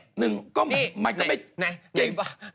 โอ้โหโอ้โหโอ้โหโอ้โห